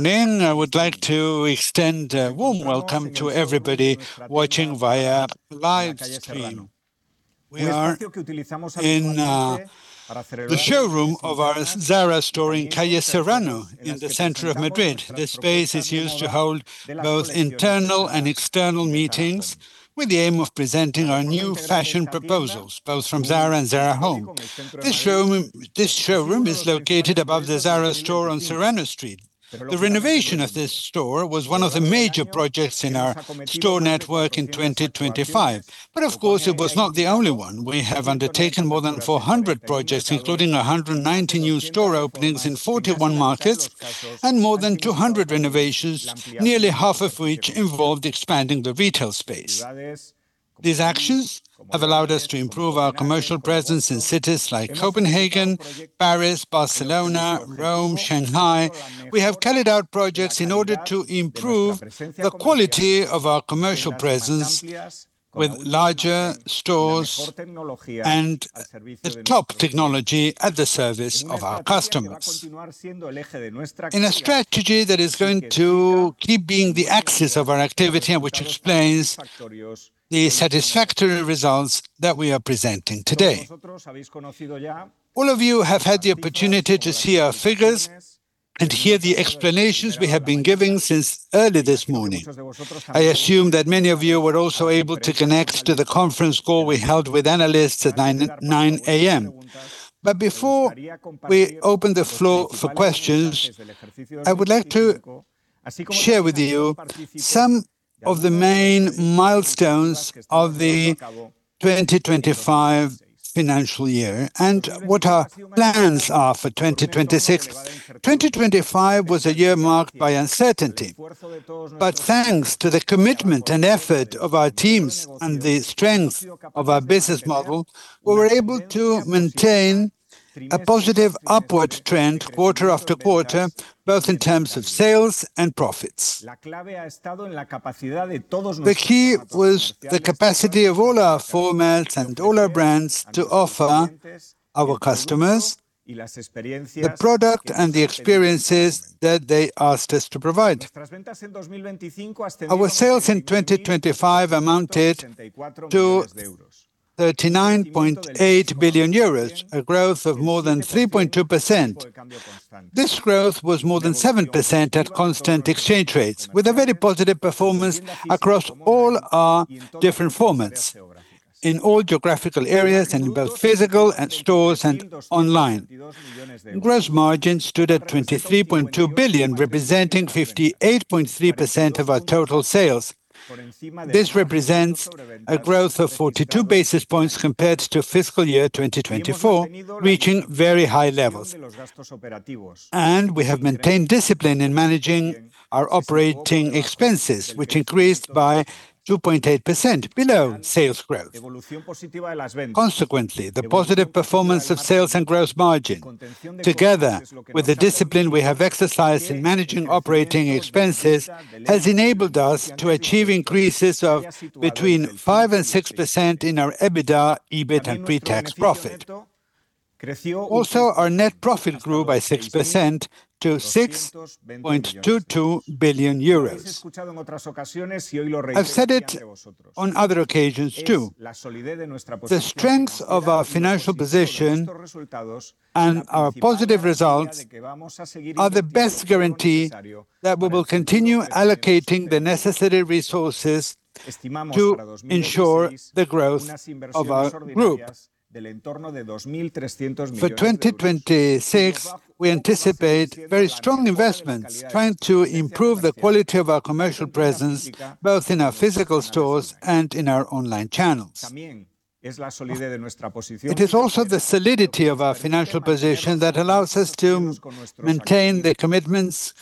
I would like to extend a warm welcome to everybody watching via live stream. We are in the showroom of our Zara store in Calle Serrano in the center of Madrid. This space is used to hold both internal and external meetings with the aim of presenting our new fashion proposals, both from Zara and Zara Home. This showroom is located above the Zara store on Serrano Street. The renovation of this store was one of the major projects in our store network in 2025. Of course, it was not the only one. We have undertaken more than 400 projects, including 190 new store openings in 41 markets and more than 200 renovations, nearly half of which involved expanding the retail space. These actions have allowed us to improve our commercial presence in cities like Copenhagen, Paris, Barcelona, Rome, Shanghai. We have carried out projects in order to improve the quality of our commercial presence with larger stores and the top technology at the service of our customers. In a strategy that is going to keep being the axis of our activity and which explains the satisfactory results that we are presenting today. All of you have had the opportunity to see our figures and hear the explanations we have been giving since early this morning. I assume that many of you were also able to connect to the conference call we held with analysts at 9:00 A.M. Before we open the floor for questions, I would like to share with you some of the main milestones of the 2025 financial year and what our plans are for 2026. 2025 was a year marked by uncertainty. Thanks to the commitment and effort of our teams and the strength of our business model, we were able to maintain a positive upward trend quarter after quarter, both in terms of sales and profits. The key was the capacity of all our formats and all our brands to offer our customers the product and the experiences that they asked us to provide. Our sales in 2025 amounted to 39.8 billion euros, a growth of more than 3.2%. This growth was more than 7% at constant exchange rates, with a very positive performance across all our different formats, in all geographical areas and in both physical stores and online. Gross margin stood at 23.2 billion, representing 58.3% of our total sales. This represents a growth of 42 basis points compared to fiscal year 2024, reaching very high levels. We have maintained discipline in managing our operating expenses, which increased by 2.8% below sales growth. Consequently, the positive performance of sales and gross margin, together with the discipline we have exercised in managing operating expenses, has enabled us to achieve increases of between 5%-6% in our EBITDA, EBIT and pre-tax profit. Also, our net profit grew by 6% to 6.22 billion euros. I've said it on other occasions too. The strength of our financial position and our positive results are the best guarantee that we will continue allocating the necessary resources to ensure the growth of our group. For 2026, we anticipate very strong investments, trying to improve the quality of our commercial presence, both in our physical stores and in our online channels. It is also the solidity of our financial position that allows us to maintain the commitments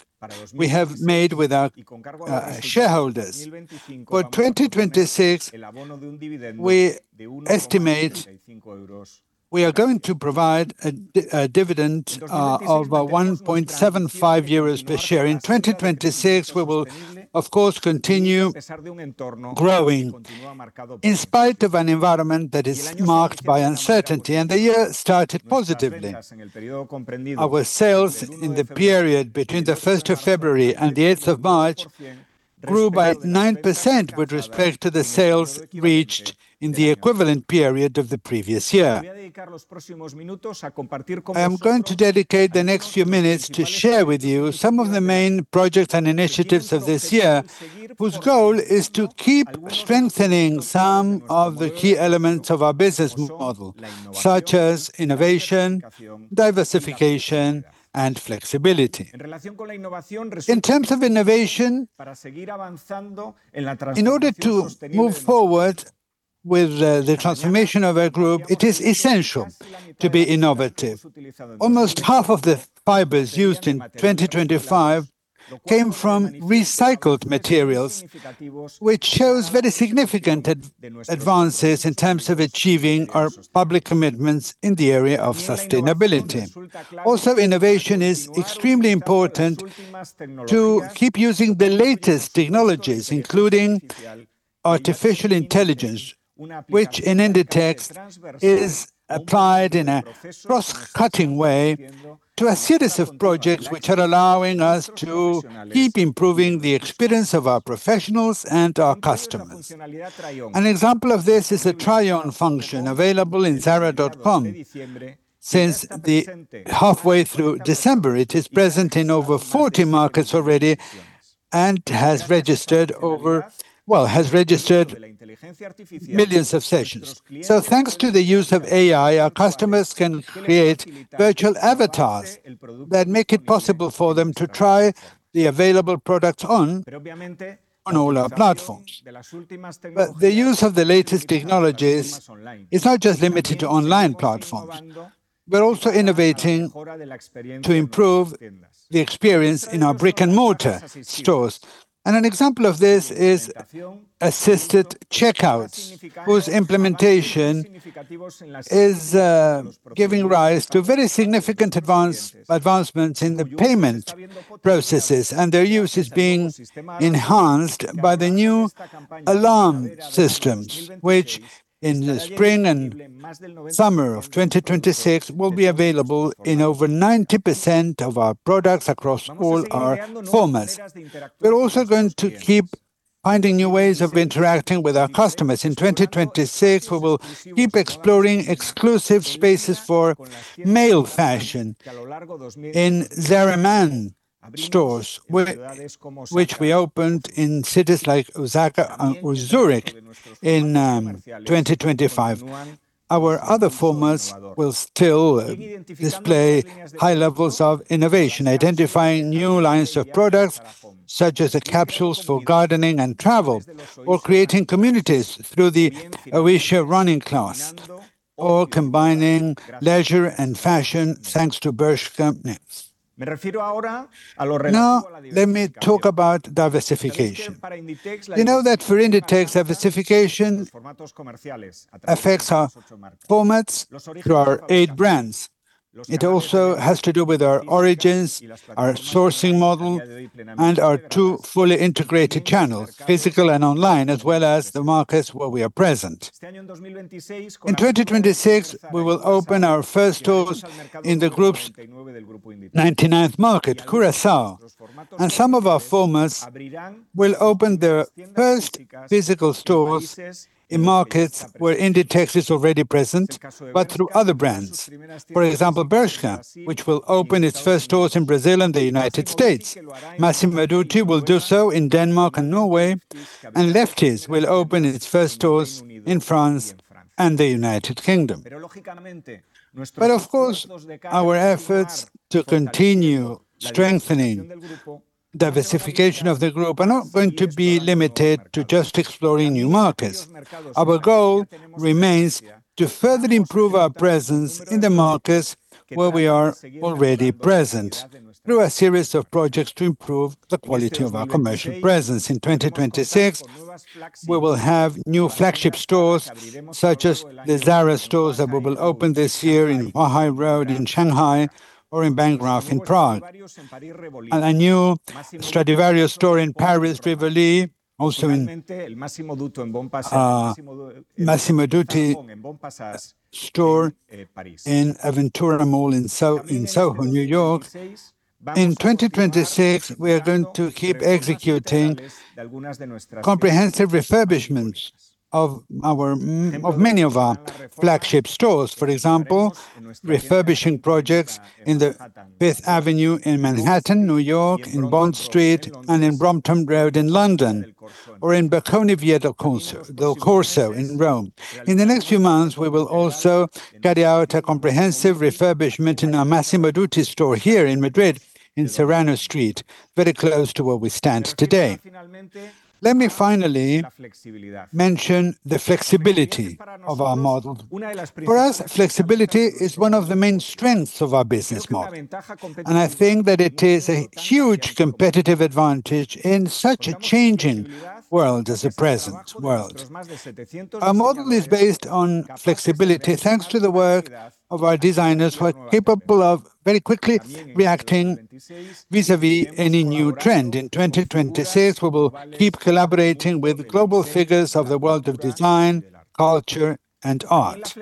we have made with our shareholders. For 2026, we estimate we are going to provide a dividend of 1.75 euros per share. In 2026, we will of course continue growing in spite of an environment that is marked by uncertainty and the year started positively. Our sales in the period between the first of February and the eighth of March grew by 9% with respect to the sales reached in the equivalent period of the previous year. I am going to dedicate the next few minutes to share with you some of the main projects and initiatives of this year, whose goal is to keep strengthening some of the key elements of our business model, such as innovation, diversification and flexibility. In terms of innovation, in order to move forward with the transformation of our group, it is essential to be innovative. Almost half of the fibers used in 2025 came from recycled materials, which shows very significant advances in terms of achieving our public commitments in the area of sustainability. Also, innovation is extremely important to keep using the latest technologies, including artificial intelligence, which in Inditex is applied in a cross-cutting way to a series of projects which are allowing us to keep improving the experience of our professionals and our customers. An example of this is a try on function available in Zara.com since halfway through December. It is present in over 40 markets already and has registered millions of sessions. Thanks to the use of AI, our customers can create virtual avatars that make it possible for them to try the available products on all our platforms. The use of the latest technologies is not just limited to online platforms. We're also innovating to improve the experience in our brick-and-mortar stores. An example of this is assisted checkouts, whose implementation is giving rise to very significant advancements in the payment processes and their use is being enhanced by the new alarm systems, which in the spring and summer of 2026 will be available in over 90% of our products across all our formats. We're also going to keep finding new ways of interacting with our customers. In 2026, we will keep exploring exclusive spaces for male fashion in Zara Man stores, which we opened in cities like Osaka and Zurich in 2025. Our other formats will still display high levels of innovation, identifying new lines of products, such as the capsules for gardening and travel or creating communities through the Oysho running class or combining leisure and fashion thanks to Bershka Nails. Now let me talk about diversification. You know that for Inditex, diversification affects our formats through our eight brands. It also has to do with our origins, our sourcing model and our two fully integrated channels, physical and online, as well as the markets where we are present. In 2026, we will open our first stores in the group's 99th market, Curaçao and some of our formats will open their first physical stores in markets where Inditex is already present but through other brands. For example, Bershka, which will open its first stores in Brazil and the United States. Massimo Dutti will do so in Denmark and Norway and Lefties will open its first stores in France and the United Kingdom. Of course, our efforts to continue strengthening diversification of the group are not going to be limited to just exploring new markets. Our goal remains to further improve our presence in the markets where we are already present through a series of projects to improve the quality of our commercial presence. In 2026, we will have new flagship stores, such as the Zara stores that we will open this year in Huaihai Road in Shanghai or in Na Příkopě in Prague and a new Stradivarius store in Paris Rue de Rivoli, also in Massimo Dutti store in Aventura Mall in Soho, New York. In 2026, we are going to keep executing comprehensive refurbishments of many of our flagship stores. For example, refurbishing projects in the Fifth Avenue in Manhattan, New York, in Bond Street and in Brompton Road in London or in Via del Corso in Rome. In the next few months, we will also carry out a comprehensive refurbishment in our Massimo Dutti store here in Madrid, in Serrano Street, very close to where we stand today. Let me finally mention the flexibility of our model. For us, flexibility is one of the main strengths of our business model and I think that it is a huge competitive advantage in such a changing world as the present world. Our model is based on flexibility thanks to the work of our designers who are capable of very quickly reacting vis-à-vis any new trend. In 2026, we will keep collaborating with global figures of the world of design, culture and art.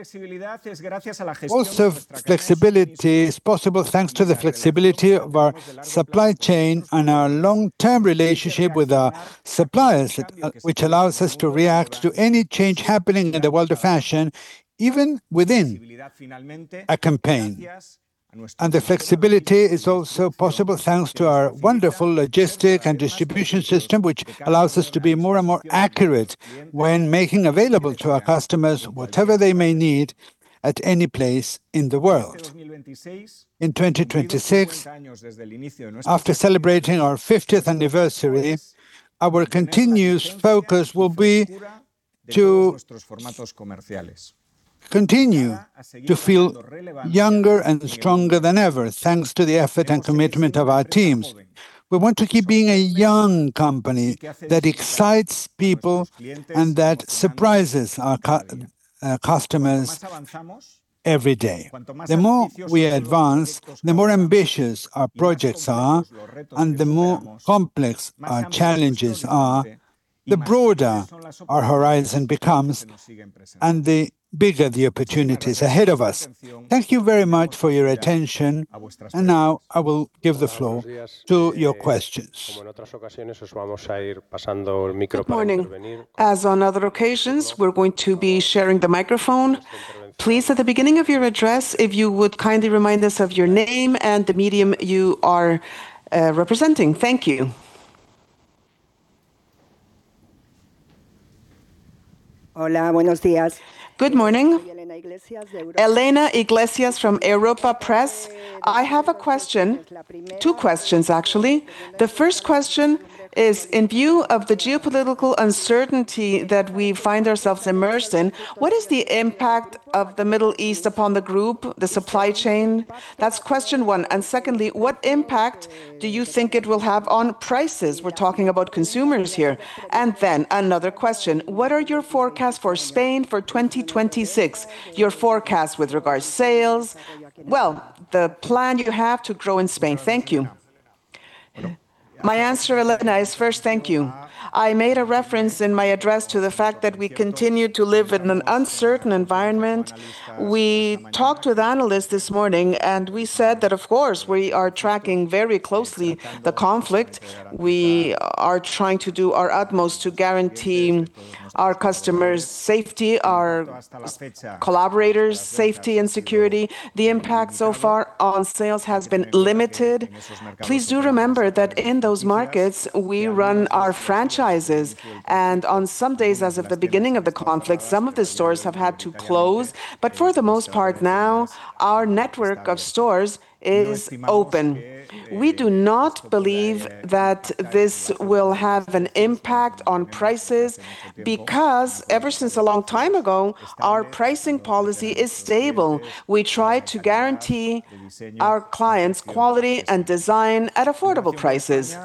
Also, flexibility is possible thanks to the flexibility of our supply chain and our long-term relationship with our suppliers, which allows us to react to any change happening in the world of fashion, even within a campaign. The flexibility is also possible thanks to our wonderful logistics and distribution system, which allows us to be more and more accurate when making available to our customers whatever they may need at any place in the world. In 2026, after celebrating our 50th anniversary, our continuous focus will be to continue to feel younger and stronger than ever, thanks to the effort and commitment of our teams. We want to keep being a young company that excites people and that surprises our customers. Customers every day. The more we advance, the more ambitious our projects are and the more complex our challenges are, the broader our horizon becomes and the bigger the opportunities ahead of us. Thank you very much for your attention and now I will give the floor to your questions. Good morning. As on other occasions, we're going to be sharing the microphone. Please, at the beginning of your address, if you would kindly remind us of your name and the medium you are representing. Thank you. Good morning. Elena Iglesias from Europa Press. I have a question. Two questions, actually. The first question is, in view of the geopolitical uncertainty that we find ourselves immersed in, what is the impact of the Middle East upon the group, the supply chain? That's question one. Secondly, what impact do you think it will have on prices? We're talking about consumers here. Another question: What are your forecasts for Spain for 2026, your forecast with regard to sales? Well, the plan you have to grow in Spain. Thank you. My answer, Elena, is first, thank you. I made a reference in my address to the fact that we continue to live in an uncertain environment. We talked with analysts this morning and we said that, of course, we are tracking very closely the conflict. We are trying to do our utmost to guarantee our customers' safety, our collaborators' safety and security. The impact so far on sales has been limited. Please do remember that in those markets we run our franchises and on some days, as at the beginning of the conflict, some of the stores have had to close. For the most part now, our network of stores is open. We do not believe that this will have an impact on prices because ever since a long time ago, our pricing policy is stable. We try to guarantee our clients quality and design at affordable prices.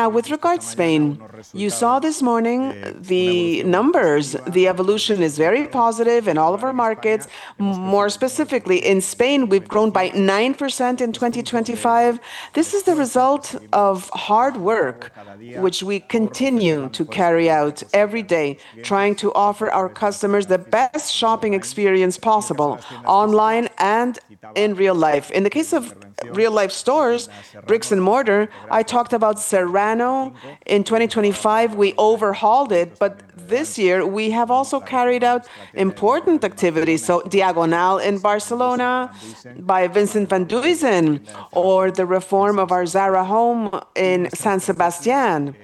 Now, with regard to Spain, you saw this morning the numbers. The evolution is very positive in all of our markets. More specifically, in Spain, we've grown by 9% in 2025. This is the result of hard work, which we continue to carry out every day, trying to offer our customers the best shopping experience possible, online and in real life. In the case of real-life stores, bricks and mortar, I talked about Serrano. In 2025, we overhauled it. This year we have also carried out important activities, so Diagonal in Barcelona by Vincent Van Duysen or the reform of our Zara Home in San Sebastián.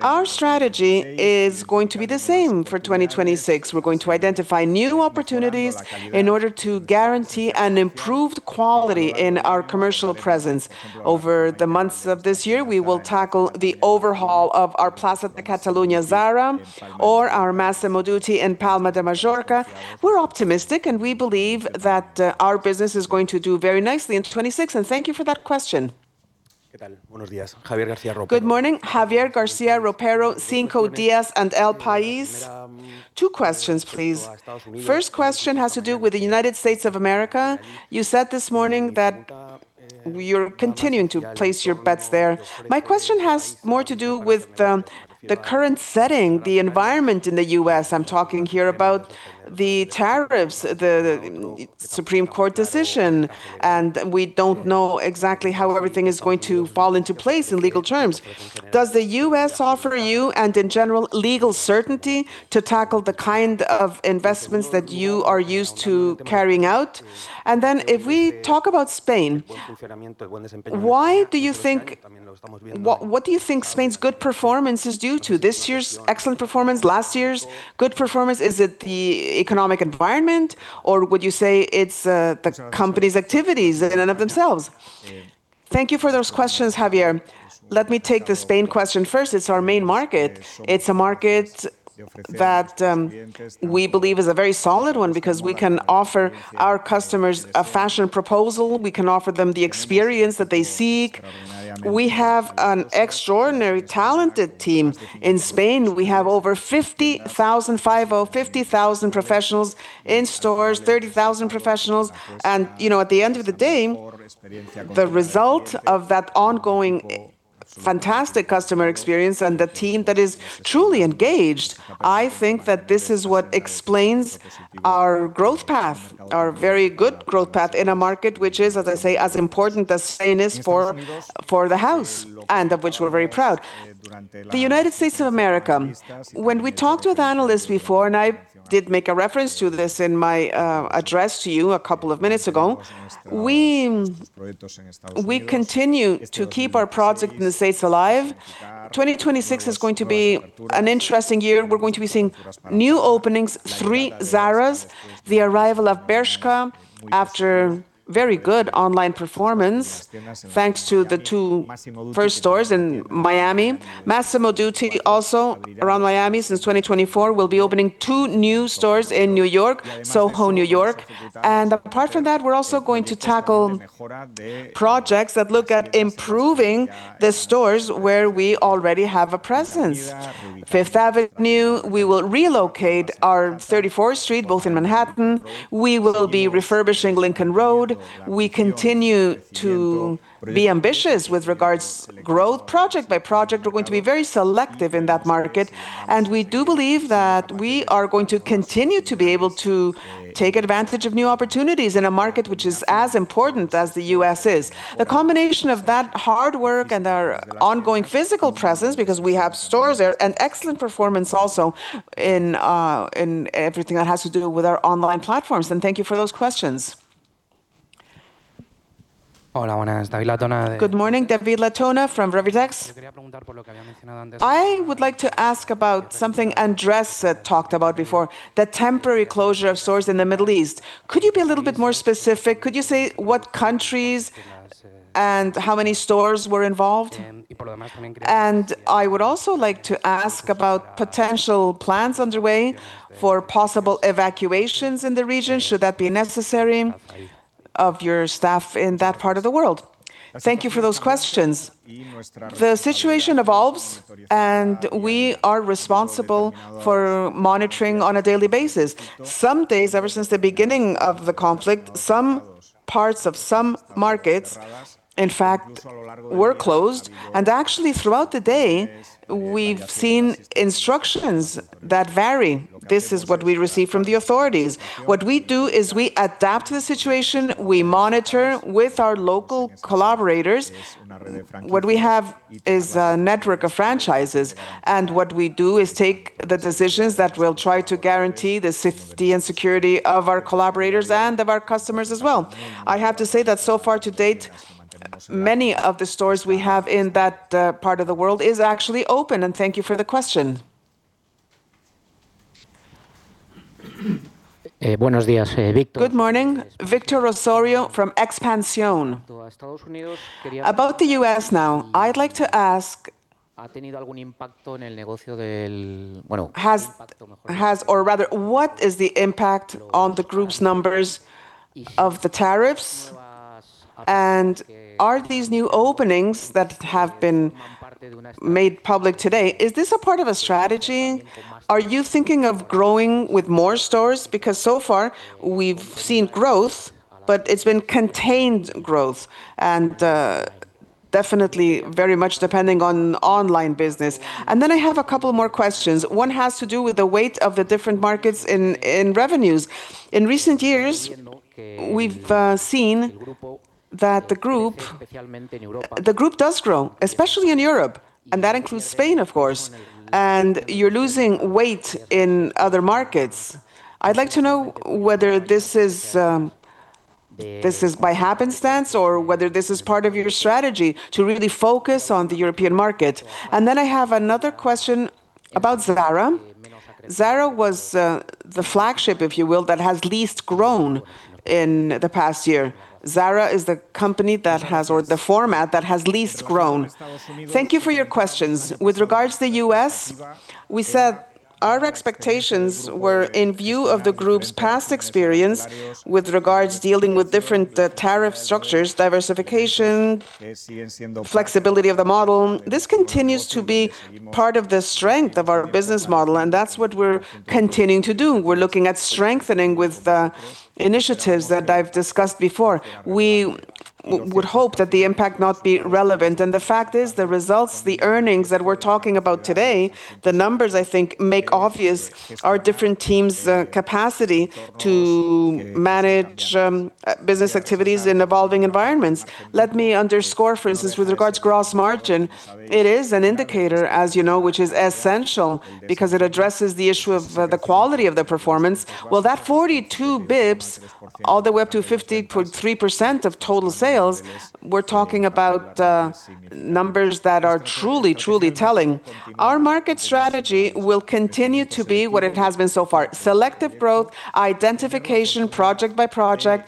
Our strategy is going to be the same for 2026. We're going to identify new opportunities in order to guarantee an improved quality in our commercial presence. Over the months of this year, we will tackle the overhaul of our Plaça de Catalunya Zara or our Massimo Dutti in Palma de Mallorca. We're optimistic and we believe that our business is going to do very nicely in 2026 and thank you for that question. Good morning. Javier García Ropero, Cinco Días and El País. Two questions, please. First question has to do with the United States of America. You said this morning that you're continuing to place your bets there. My question has more to do with the current setting, the environment in the U.S. I'm talking here about the tariffs, the Supreme Court decision and we don't know exactly how everything is going to fall into place in legal terms. Does the U.S. offer you and in general, legal certainty to tackle the kind of investments that you are used to carrying out? And then if we talk about Spain, what do you think Spain's good performance is due to this year's excellent performance, last year's good performance? Is it the economic environment or would you say it's the company's activities in and of themselves? Thank you for those questions, Javier. Let me take the Spain question first. It's our main market. It's a market that we believe is a very solid one because we can offer our customers a fashion proposal. We can offer them the experience that they seek. We have an extraordinary talented team in Spain. We have over 50,000 professionals in stores, 30,000 professionals. You know, at the end of the day, the result of that ongoing fantastic customer experience and the team that is truly engaged, I think that this is what explains our growth path, our very good growth path in a market which is, as I say, as important as Spain is for the house and of which we're very proud. The United States of America. When we talked with analysts before and I did make a reference to this in my address to you a couple of minutes ago, we continue to keep our project in the States alive. 2026 is going to be an interesting year. We're going to be seeing new openings, three Zaras, the arrival of Bershka after very good online performance, thanks to the two first stores in Miami. Massimo Dutti also around Miami since 2024. We'll be opening two new stores in New York, Soho, New York. Apart from that, we're also going to tackle projects that look at improving the stores where we already have a presence. Fifth Avenue, we will relocate our 34th Street, both in Manhattan. We will be refurbishing Lincoln Road. We continue to be ambitious with regards growth. Project by project, we're going to be very selective in that market and we do believe that we are going to continue to be able to take advantage of new opportunities in a market which is as important as the US is. The combination of that hard work and our ongoing physical presence, because we have stores there and excellent performance also in everything that has to do with our online platforms. Thank you for those questions. Good morning. David Latona from Reuters. I would like to ask about something Andrés talked about before, the temporary closure of stores in the Middle East. Could you be a little bit more specific? Could you say what countries and how many stores were involved? And I would also like to ask about potential plans underway for possible evacuations in the region, should that be necessary of your staff in that part of the world. Thank you for those questions. The situation evolves and we are responsible for monitoring on a daily basis. Some days, ever since the beginning of the conflict, some parts of some markets, in fact, were closed. Actually, throughout the day, we've seen instructions that vary. This is what we receive from the authorities. What we do is we adapt to the situation. We monitor with our local collaborators. What we have is a network of franchises and what we do is take the decisions that will try to guarantee the safety and security of our collaborators and of our customers as well. I have to say that so far to date, many of the stores we have in that part of the world is actually open. Thank you for the question. Good morning. Víctor Osorio from Expansión. About the U.S. now, I'd like to ask or rather, what is the impact on the group's numbers of the tariffs? And are these new openings that have been made public today, is this a part of a strategy? Are you thinking of growing with more stores? Because so far we've seen growth but it's been contained growth and definitely very much depending on online business. And then I have a couple more questions. One has to do with the weight of the different markets in revenues. In recent years, we've seen that the group does grow, especially in Europe and that includes Spain, of course and you're losing weight in other markets. I'd like to know whether this is by happenstance or whether this is part of your strategy to really focus on the European market. I have another question about Zara. Zara was the flagship, if you will, that has least grown in the past year. Zara is the company that has or the format that has least grown. Thank you for your questions. With regards to the U.S., we said our expectations were in view of the group's past experience with regards dealing with different tariff structures, diversification, flexibility of the model. This continues to be part of the strength of our business model and that's what we're continuing to do. We're looking at strengthening with the initiatives that I've discussed before. We would hope that the impact not be relevant. The fact is, the results, the earnings that we're talking about today, the numbers I think make obvious our different teams' capacity to manage business activities in evolving environments. Let me underscore, for instance, with regard to gross margin. It is an indicator, as you know, which is essential because it addresses the issue of the quality of the performance. Well, that 42 bps all the way up to 50.3% of total sales we're talking about numbers that are truly telling. Our market strategy will continue to be what it has been so far, selective growth, identification project by project,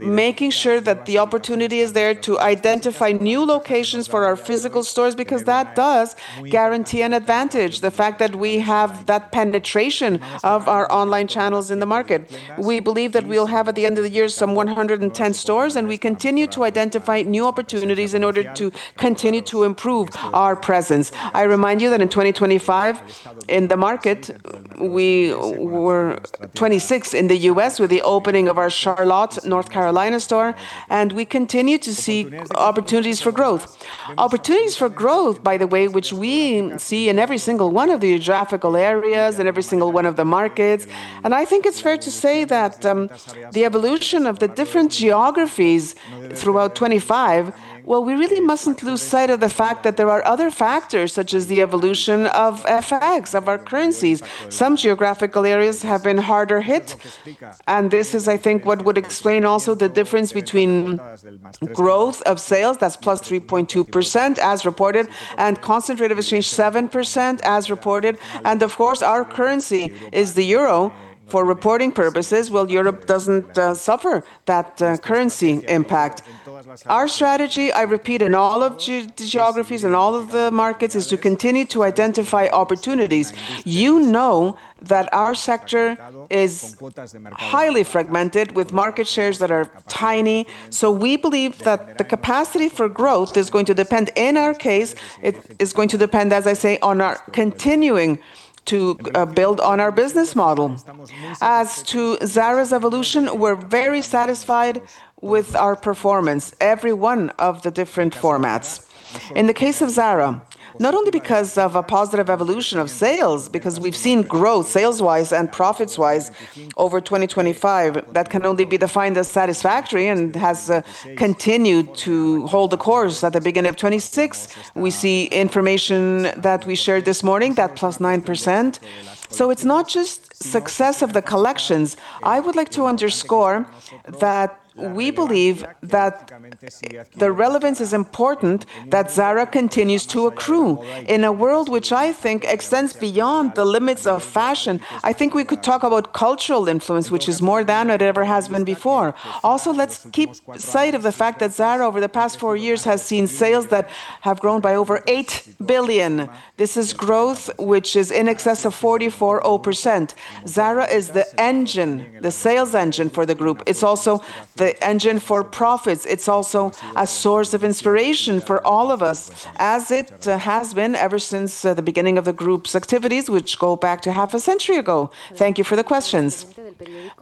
making sure that the opportunity is there to identify new locations for our physical stores, because that does guarantee an advantage, the fact that we have that penetration of our online channels in the market. We believe that we'll have, at the end of the year, some 110 stores and we continue to identify new opportunities in order to continue to improve our presence. I remind you that in 2025, in the market, we were 26 in the U.S. with the opening of our Charlotte, North Carolina store and we continue to see opportunities for growth. Opportunities for growth, by the way, which we see in every single one of the geographical areas, in every single one of the markets. I think it's fair to say that, the evolution of the different geographies throughout 2025, well, we really mustn't lose sight of the fact that there are other factors, such as the evolution of FX, of our currencies. Some geographical areas have been harder hit and this is, I think, what would explain also the difference between growth of sales, that's +3.2% as reported and constant exchange, 7% as reported. Of course, our currency is the euro for reporting purposes. Well, Europe doesn't suffer that currency impact. Our strategy, I repeat, in all of geographies and all of the markets, is to continue to identify opportunities. You know that our sector is highly fragmented with market shares that are tiny. We believe that the capacity for growth is going to depend, in our case, as I say, on our continuing to build on our business model. As to Zara's evolution, we're very satisfied with our performance, every one of the different formats. In the case of Zara, not only because of a positive evolution of sales, because we've seen growth sales-wise and profits-wise over 2025. That can only be defined as satisfactory and has continued to hold the course. At the beginning of 2026, we see information that we shared this morning, that +9%. It's not just success of the collections. I would like to underscore that we believe that the relevance is important that Zara continues to accrue in a world which I think extends beyond the limits of fashion. I think we could talk about cultural influence, which is more than it ever has been before. Also, let's keep sight of the fact that Zara, over the past four years, has seen sales that have grown by over 8 billion. This is growth which is in excess of 44%. Zara is the engine, the sales engine for the group. It's also the engine for profits. It's also a source of inspiration for all of us, as it has been ever since the beginning of the group's activities, which go back to half a century ago. Thank you for the questions.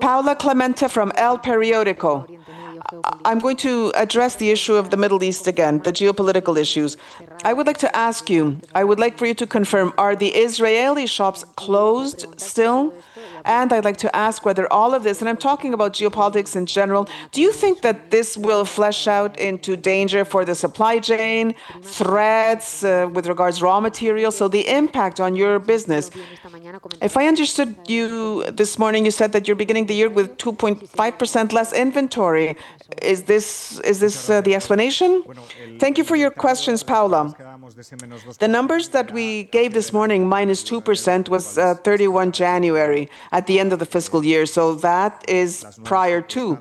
Paula Clemente from El Periódico. I'm going to address the issue of the Middle East again, the geopolitical issues. I would like to ask you, I would like for you to confirm, are the Israeli shops closed still? I'd like to ask whether all of this and I'm talking about geopolitics in general, do you think that this will flesh out into danger for the supply chain, threats with regards raw materials, so the impact on your business? If I understood you this morning, you said that you're beginning the year with 2.5% less inventory. Is this the explanation? Thank you for your questions, Paula. The numbers that we gave this morning, minus 2%, was 31 January at the end of the fiscal year, so that is prior to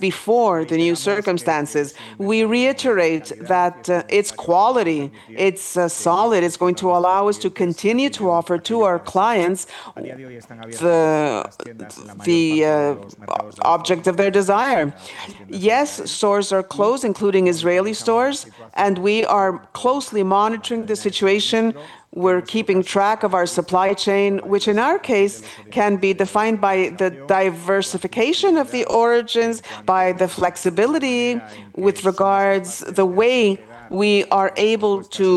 before the new circumstances. We reiterate that it's quality, it's solid, it's going to allow us to continue to offer to our clients the object of their desire. Yes, stores are closed, including Israeli stores and we are closely monitoring the situation. We're keeping track of our supply chain, which in our case can be defined by the diversification of the origins, by the flexibility with regards the way we are able to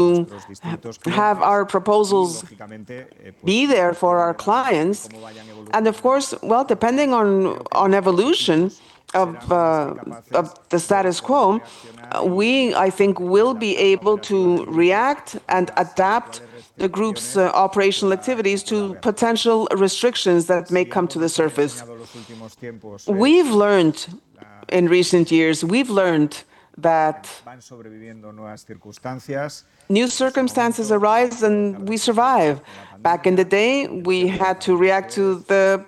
have our proposals be there for our clients. Of course, well, depending on evolution of the status quo, we, I think, will be able to react and adapt the group's operational activities to potential restrictions that may come to the surface. We've learned in recent years that new circumstances arise and we survive. Back in the day, we had to react to the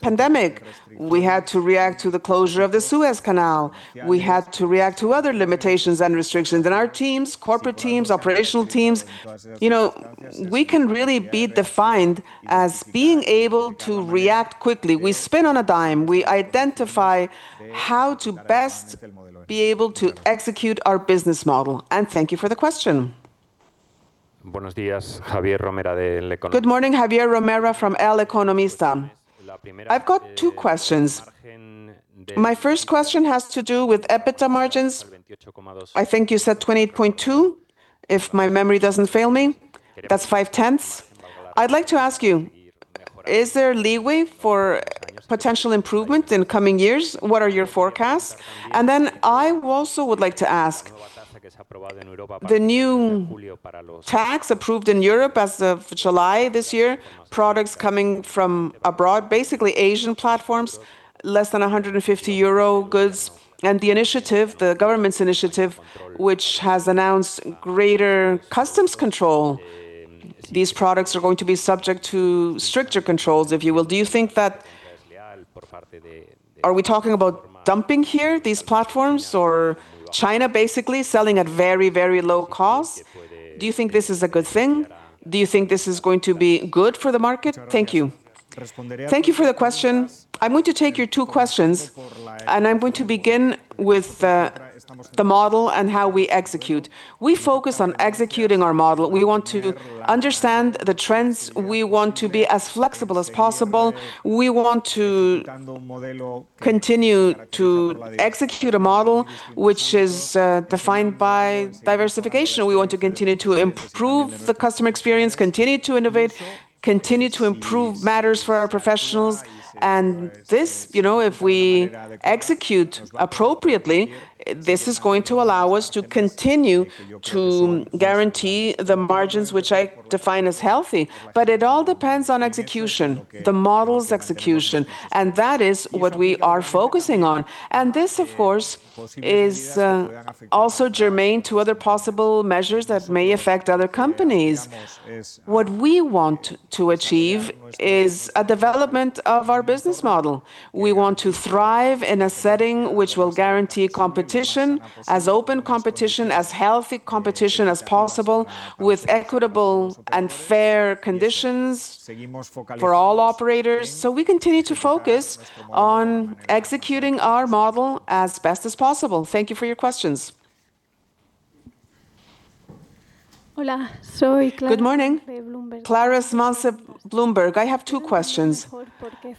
pandemic. We had to react to the closure of the Suez Canal. We had to react to other limitations and restrictions. Our teams, corporate teams, operational teams, you know, we can really be defined as being able to react quickly. We spin on a dime. We identify how to best be able to execute our business model. Thank you for the question. Good morning. Javier Romera from El Economista. I've got two questions. My first question has to do with EBITDA margins. I think you said 28.2%, if my memory doesn't fail me. That's 0.5. I'd like to ask you, is there leeway for potential improvement in coming years? What are your forecasts? Then I also would like to ask, the new tax approved in Europe as of July this year, products coming from abroad, basically Asian platforms, less than 150 euro goods and the initiative, the government's initiative, which has announced greater customs control, these products are going to be subject to stricter controls, if you will. Do you think that. Are we talking about dumping here, these platforms or China basically selling at very, very low cost? Do you think this is a good thing? Do you think this is going to be good for the market? Thank you. Thank you for the question. I'm going to take your two questions and I'm going to begin with the model and how we execute. We focus on executing our model. We want to understand the trends. We want to be as flexible as possible. We want to continue to execute a model which is defined by diversification. We want to continue to improve the customer experience, continue to innovate, continue to improve matters for our professionals. This, you know, if we execute appropriately, this is going to allow us to continue to guarantee the margins which I define as healthy. It all depends on execution, the model's execution and that is what we are focusing on. This, of course, is also germane to other possible measures that may affect other companies. What we want to achieve is a development of our business model. We want to thrive in a setting which will guarantee competition, as open competition, as healthy competition as possible, with equitable and fair conditions for all operators. We continue to focus on executing our model as best as possible. Thank you for your questions. Good morning. Clara Hernanz, Bloomberg. I have two questions.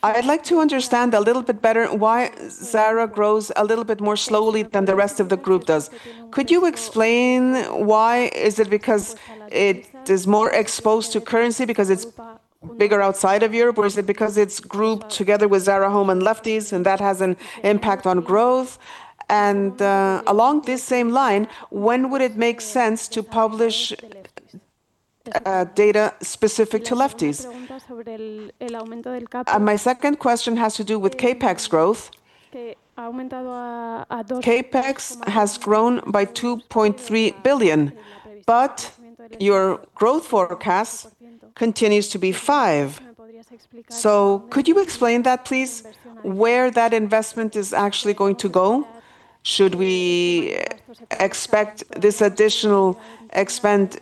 I'd like to understand a little bit better why Zara grows a little bit more slowly than the rest of the group does. Could you explain why? Is it because it is more exposed to currency because it's bigger outside of Europe or is it because it's grouped together with Zara Home and Lefties and that has an impact on growth? Along this same line, when would it make sense to publish data specific to Lefties? My second question has to do with CapEx growth. CapEx has grown by 2.3 billion but your growth forecast continues to be 5%. Could you explain that, please, where that investment is actually going to go? Should we expect this additional expenditure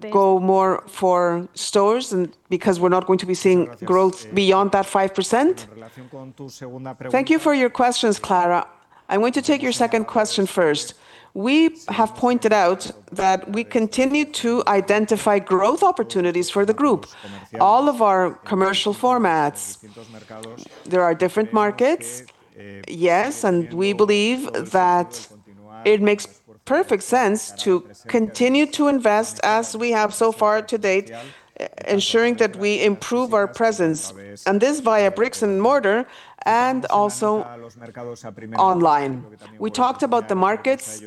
to go more for stores and because we're not going to be seeing growth beyond that 5%? Thank you for your questions, Clara. I'm going to take your second question first. We have pointed out that we continue to identify growth opportunities for the group. All of our commercial formats. There are different markets, yes and we believe that it makes perfect sense to continue to invest as we have so far to date, ensuring that we improve our presence and this via bricks-and-mortar and also online. We talked about the markets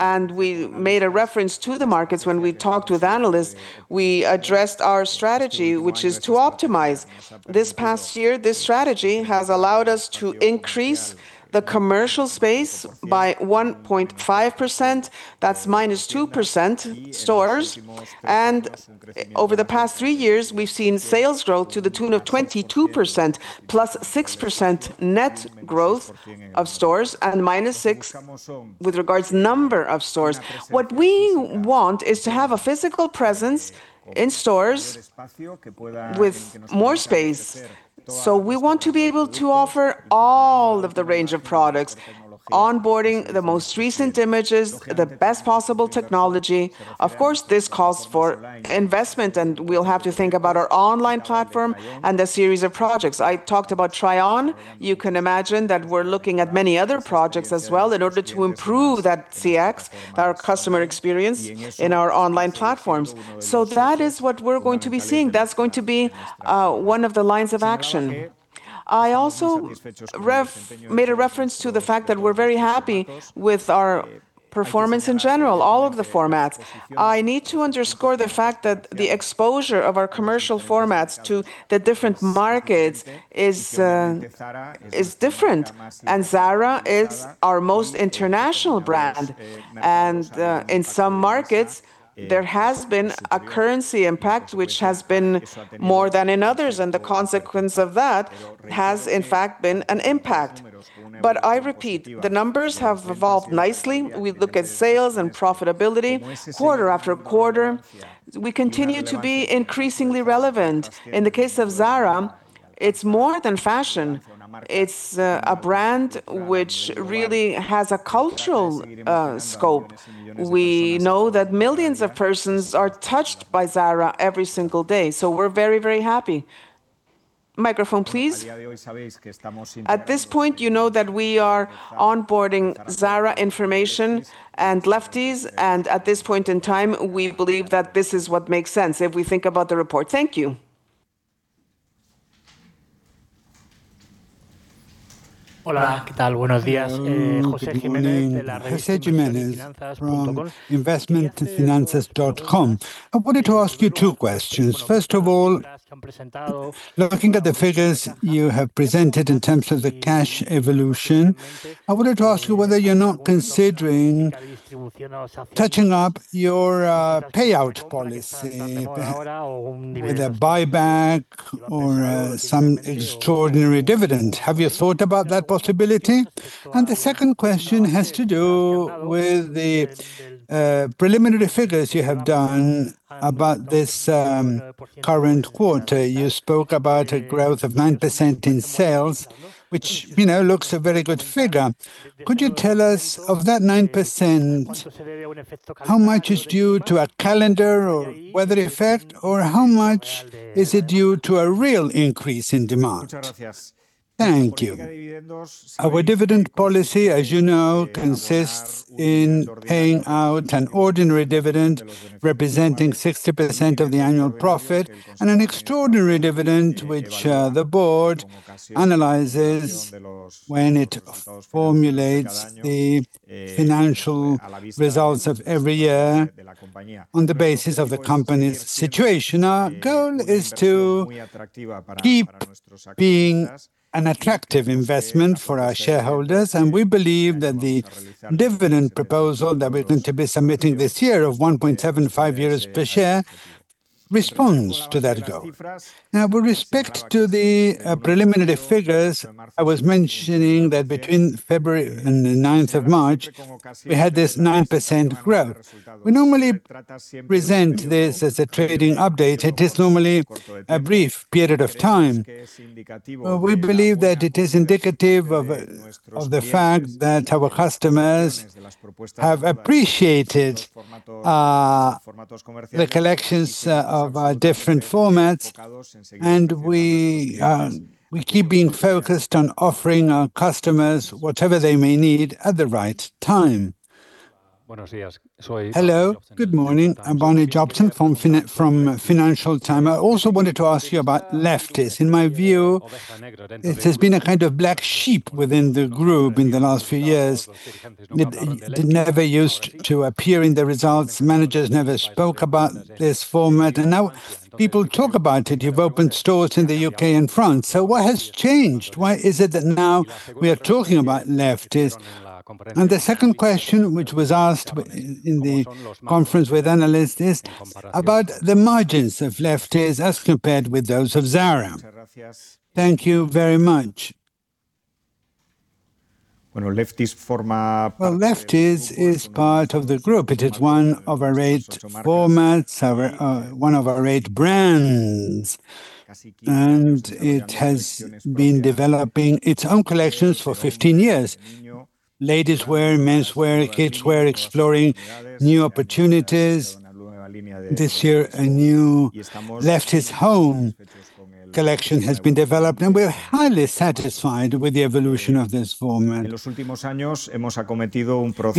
and we made a reference to the markets when we talked with analysts. We addressed our strategy, which is to optimize. This past year, this strategy has allowed us to increase the commercial space by 1.5%. That's -2% stores. Over the past three years, we've seen sales growth to the tune of 22%, +6% net growth of stores and -6 with regards number of stores. What we want is to have a physical presence in stores with more space. We want to be able to offer all of the range of products, onboarding the most recent images, the best possible technology. Of course, this calls for investment and we'll have to think about our online platform and the series of projects. I talked about Try On. You can imagine that we're looking at many other projects as well in order to improve that CX, our customer experience, in our online platforms. That is what we're going to be seeing. That's going to be one of the lines of action. I also made a reference to the fact that we're very happy with our performance in general, all of the formats. I need to underscore the fact that the exposure of our commercial formats to the different markets is different and Zara is our most international brand. In some markets there has been a currency impact which has been more than in others and the consequence of that has, in fact, been an impact. I repeat, the numbers have evolved nicely. We look at sales and profitability quarter after quarter. We continue to be increasingly relevant. In the case of Zara, it's more than fashion. It's a brand which really has a cultural scope. We know that millions of persons are touched by Zara every single day, so we're very, very happy. Microphone, please. At this point, you know that we are onboarding Zara information and Lefties and at this point in time, we believe that this is what makes sense if we think about the report. Thank you. Good morning. José Jiménez from Finanzas.com. I wanted to ask you two questions. First of all, looking at the figures you have presented in terms of the cash evolution, I wanted to ask you whether you're not considering touching up your payout policy with a buyback or some extraordinary dividend. Have you thought about that possibility? The second question has to do with the preliminary figures you have done about this current quarter. You spoke about a growth of 9% in sales, which, you know, looks a very good figure. Could you tell us, of that 9%, how much is due to a calendar or weather effect or how much is it due to a real increase in demand? Thank you. Our dividend policy, as you know, consists in paying out an ordinary dividend representing 60% of the annual profit and an extraordinary dividend which the board analyzes when it formulates the financial results of every year on the basis of the company's situation. Our goal is to keep being an attractive investment for our shareholders and we believe that the dividend proposal that we're going to be submitting this year of 1.75 euros per share responds to that goal. Now, with respect to the preliminary figures, I was mentioning that between February and the ninth of March, we had this 9% growth. We normally present this as a trading update. It is normally a brief period of time. We believe that it is indicative of the fact that our customers have appreciated the collections of our different formats. We keep being focused on offering our customers whatever they may need at the right time. Hello. Good morning. Barney Jopson from Financial Times. I also wanted to ask you about Lefties. In my view, it has been a kind of black sheep within the group in the last few years. It never used to appear in the results. Managers never spoke about this format and now people talk about it. You've opened stores in the U.K. and France, so what has changed? Why is it that now we are talking about Lefties? And the second question, which was asked in the conference with analysts, is about the margins of Lefties as compared with those of Zara. Thank you very much. Well, Lefties is part of the group. It is one of our eight formats, one of our eight brands. It has been developing its own collections for 15 years. Ladies' wear, men's wear, kids' wear, exploring new opportunities. This year, a new Lefties Home collection has been developed and we're highly satisfied with the evolution of this format. In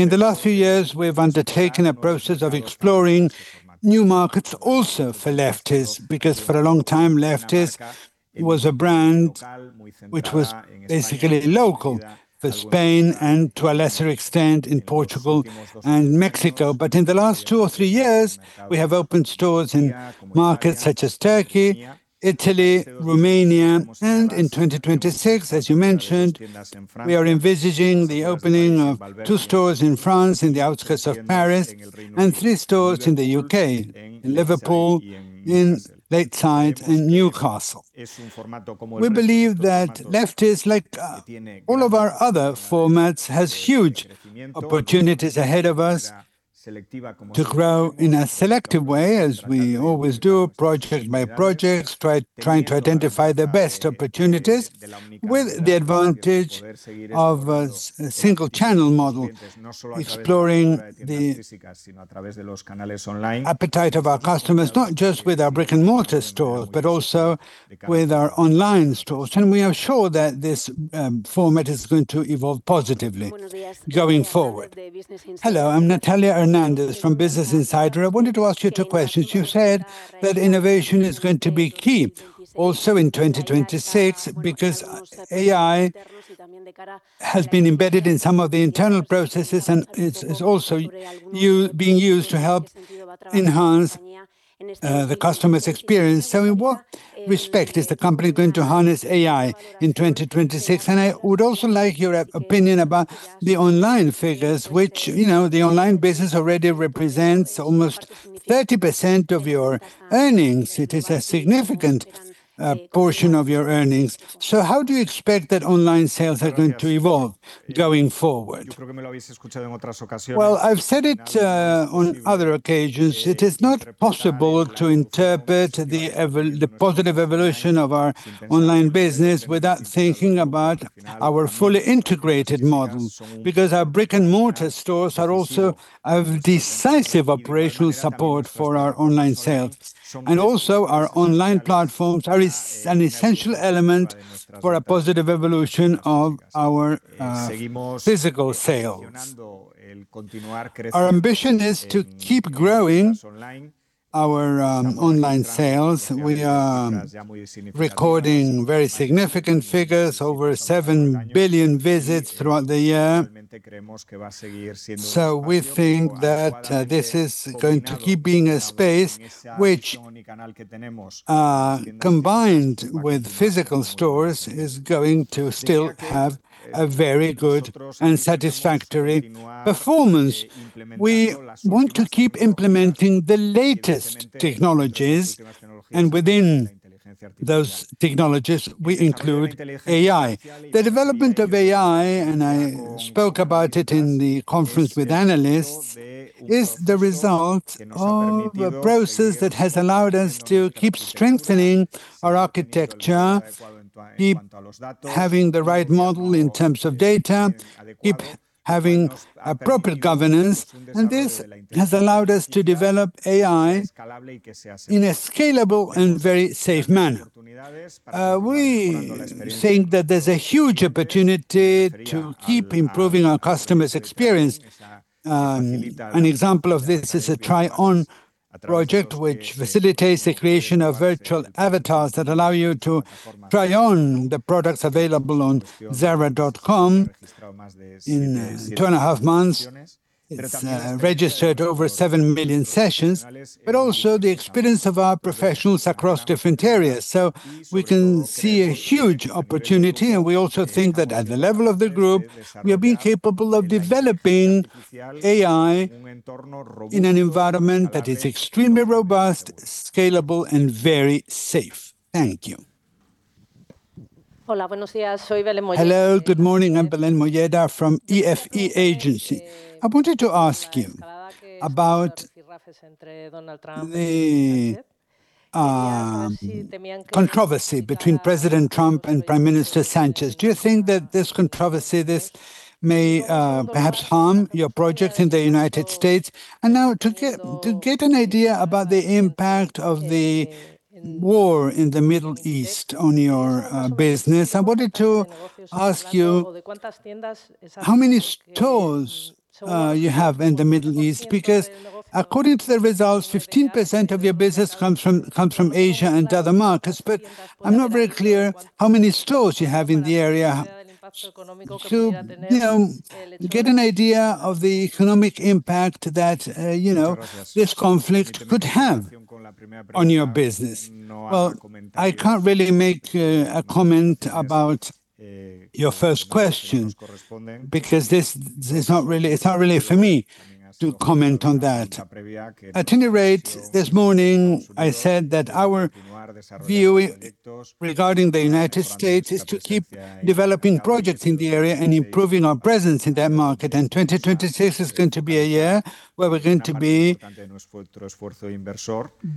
the last few years, we've undertaken a process of exploring new markets also for Lefties, because for a long time, Lefties was a brand which was basically local for Spain and to a lesser extent in Portugal and Mexico. In the last two or three years, we have opened stores in markets such as Turkey, Italy, Romania and in 2026 as you mentioned, we are envisaging the opening of two stores in France in the outskirts of Paris and three stores in the U.K., in Liverpool, in Lakeside and Newcastle. We believe that Lefties, like, all of our other formats, has huge opportunities ahead of us to grow in a selective way as we always do, project by project, trying to identify the best opportunities with the advantage of a single channel model, exploring the appetite of our customers, not just with our brick-and-mortar stores but also with our online stores. We are sure that this format is going to evolve positively going forward. Hello, I'm Natalia Hernández from Business Insider. I wanted to ask you two questions. You said that innovation is going to be key also in 2026 because AI has been embedded in some of the internal processes and it's also being used to help enhance the customer's experience. In what respect is the company going to harness AI in 2026? I would also like your opinion about the online figures, which the online business already represents almost 30% of your earnings. It is a significant portion of your earnings. How do you expect that online sales are going to evolve going forward? I've said it on other occasions. It is not possible to interpret the positive evolution of our online business without thinking about our fully integrated model, because our brick-and-mortar stores are also a decisive operational support for our online sales. Our online platforms are an essential element for a positive evolution of our physical sales. Our ambition is to keep growing our online sales. We are recording very significant figures, over 7 billion visits throughout the year. We think that this is going to keep being a space which combined with physical stores is going to still have a very good and satisfactory performance. We want to keep implementing the latest technologies and within those technologies, we include AI. The development of AI and I spoke about it in the conference with analysts, is the result of a process that has allowed us to keep strengthening our architecture, keep having the right model in terms of data, keep having a proper governance and this has allowed us to develop AI in a scalable and very safe manner. We think that there's a huge opportunity to keep improving our customers' experience. An example of this is a try-on project which facilitates the creation of virtual avatars that allow you to try on the products available on zara.com. In two and a half months, it's registered over 7 million sessions. Also the experience of our professionals across different areas. We can see a huge opportunity and we also think that at the level of the group, we are being capable of developing AI in an environment that is extremely robust, scalable and very safe. Thank you. Hello, good morning. I'm Belén Molleda from Agencia EFE. I wanted to ask you about the controversy between President Trump and Prime Minister Sánchez. Do you think that this controversy may perhaps harm your projects in the United States? Now to get an idea about the impact of the war in the Middle East on your business, I wanted to ask you how many stores you have in the Middle East. Because according to the results, 15% of your business comes from Asia and other markets but I'm not very clear how many stores you have in the area to, you know, get an idea of the economic impact that, you know, this conflict could have on your business. Well, I can't really make a comment about your first question because this is not really, it's not really for me to comment on that. At any rate, this morning, I said that our view regarding the United States is to keep developing projects in the area and improving our presence in that market and 2026 is going to be a year where we're going to be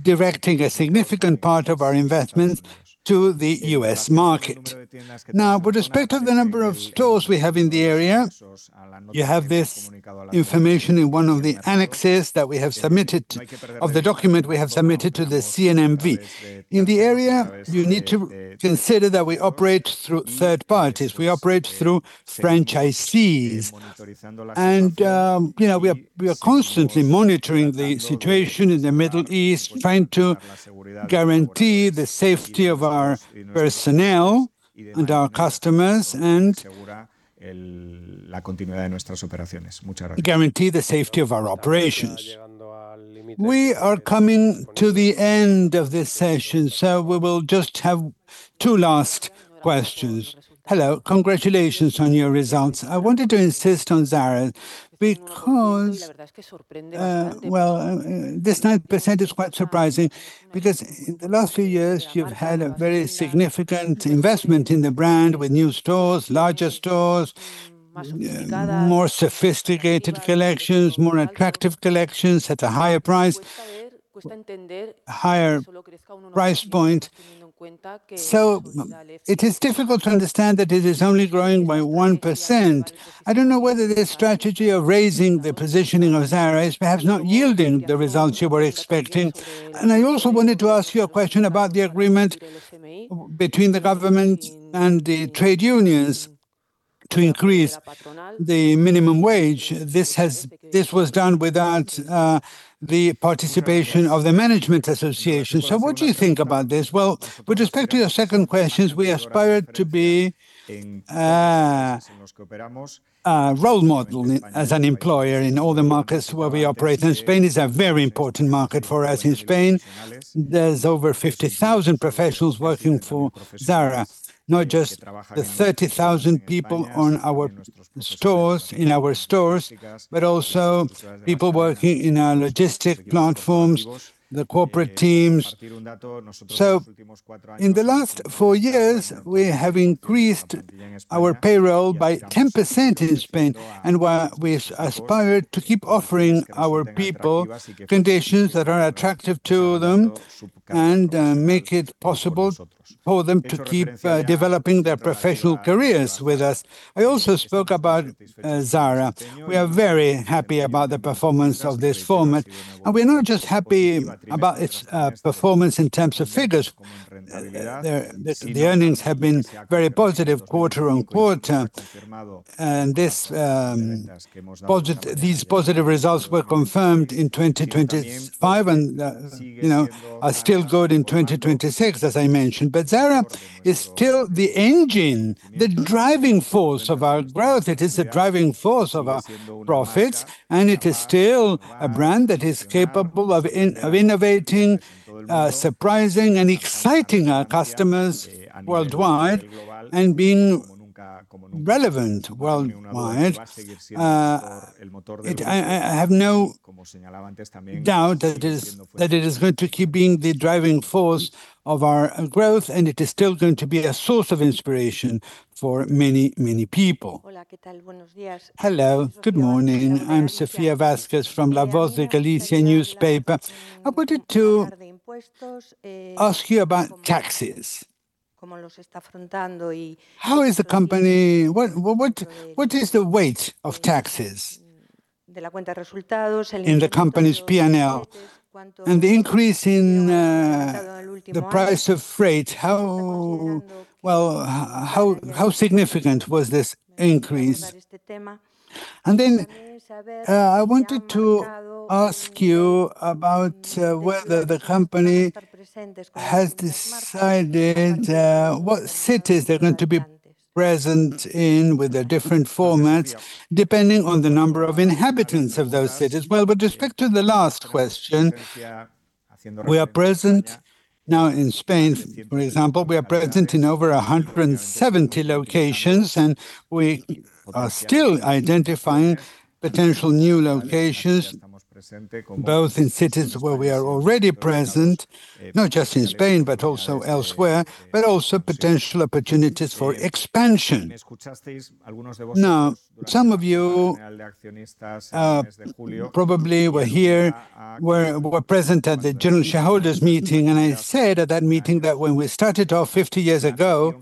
directing a significant part of our investments to the U.S. market. Now, with respect to the number of stores we have in the area. You have this information in one of the annexes that we have submitted, of the document we have submitted to the CNMV. In the area, you need to consider that we operate through third parties. We operate through franchisees and, you know, we are constantly monitoring the situation in the Middle East, trying to guarantee the safety of our personnel and our customers and guarantee the safety of our operations. We are coming to the end of this session, so we will just have two last questions. Hello. Congratulations on your results. I wanted to insist on Zara because this 9% is quite surprising because in the last few years you've had a very significant investment in the brand with new stores, larger stores, more sophisticated collections, more attractive collections at a higher price, higher price point. It is difficult to understand that it is only growing by 1%. I don't know whether this strategy of raising the positioning of Zara is perhaps not yielding the results you were expecting. I also wanted to ask you a question about the agreement between the government and the trade unions to increase the minimum wage. This was done without the participation of the management association. What do you think about this? Well, with respect to your second questions, we aspire to be a role model as an employer in all the markets where we operate and Spain is a very important market for us. In Spain, there's over 50,000 professionals working for Zara. Not just the 30,000 people in our stores but also people working in our logistics platforms, the corporate teams. In the last 4 years, we have increased our payroll by 10% in Spain and we aspire to keep offering our people conditions that are attractive to them and make it possible for them to keep developing their professional careers with us. I also spoke about Zara. We are very happy about the performance of this format and we're not just happy about its performance in terms of figures. The earnings have been very positive quarter on quarter. These positive results were confirmed in 2025 and, you know, are still good in 2026, as I mentioned. Zara is still the engine, the driving force of our growth. It is the driving force of our profits and it is still a brand that is capable of innovating, surprising and exciting our customers worldwide and being relevant worldwide. I have no doubt that it is going to keep being the driving force of our growth and it is still going to be a source of inspiration for many, many people. Hello. Good morning. I'm Sofía Vázquez from La Voz de Galicia. I wanted to ask you about taxes. How is the company? What is the weight of taxes in the company's P&L? The increase in the price of freight, how significant was this increase? I wanted to ask you about whether the company has decided what cities they're going to be present in with the different formats depending on the number of inhabitants of those cities. Well, with respect to the last question, we are present now in Spain, for example. We are present in over 170 locations and we are still identifying potential new locations, both in cities where we are already present, not just in Spain but also elsewhere but also potential opportunities for expansion. Some of you probably were present at the general shareholders meeting and I said at that meeting that when we started off 50 years ago,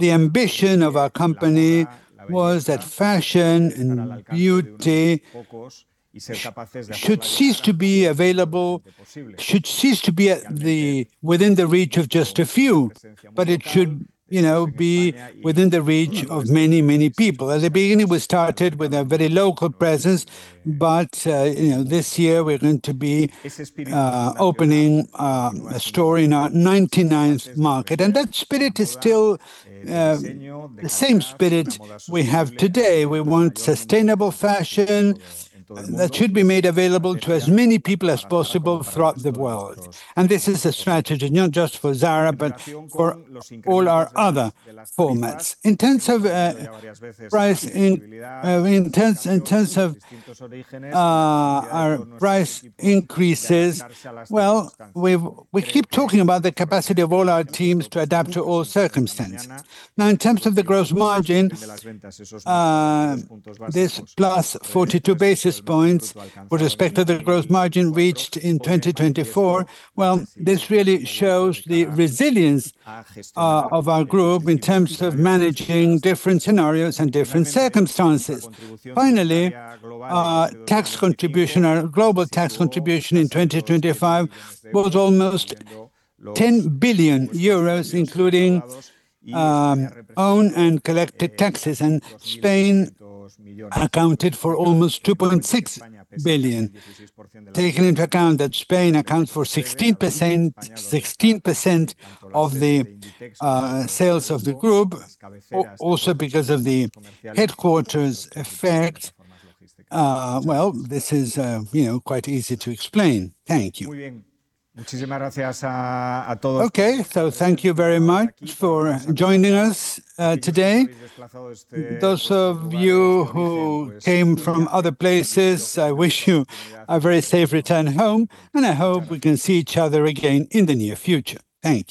the ambition of our company was that fashion and beauty should cease to be within the reach of just a few. It should, you know, be within the reach of many, many people. At the beginning, we started with a very local presence but, you know, this year we're going to be opening a store in our 99th market. That spirit is still the same spirit we have today. We want sustainable fashion that should be made available to as many people as possible throughout the world. This is a strategy not just for Zara but for all our other formats. In terms of our price increases, well, we keep talking about the capacity of all our teams to adapt to all circumstances. Now, in terms of the gross margin, this +42 basis points with respect to the gross margin reached in 2024, well, this really shows the resilience of our group in terms of managing different scenarios and different circumstances. Finally, our tax contribution, our global tax contribution in 2025 was almost 10 billion euros, including own and collected taxes. Spain accounted for almost 2.6 billion, taking into account that Spain accounts for 16% of the sales of the group. Also because of the headquarters effect, well, this is, you know, quite easy to explain. Thank you. Thank you very much for joining us, today. Those of you who came from other places, I wish you a very safe return home and I hope we can see each other again in the near future. Thank you.